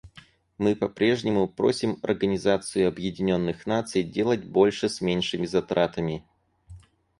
Мы по-прежнему просим Организацию Объединенных Наций делать больше с меньшими затратами.